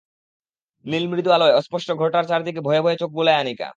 নীল মৃদু আলোয় অস্পষ্ট ঘরটার চারদিকে ভয়ে ভয়ে চোখ বুলায় আনিকা।